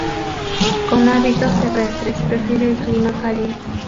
Con hábitos terrestres prefiere el clima cálido.